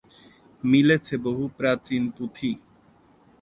মিলেছে বহু প্রাচীন পুঁথি।